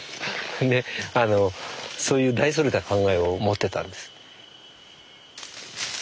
そういう大それた考えを持ってたんです。